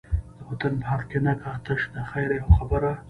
د وطن په حق کی نه کا، تش د خیر یوه خبره